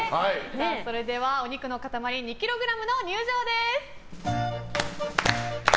それでは、お肉の塊２ｋｇの入場です！